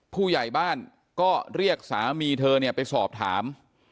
ผู้ใหญ่บ้านก็เรียกสามีเธอเนี่ยไปสอบถาม